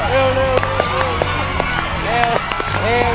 เร็วเร็วเร็ว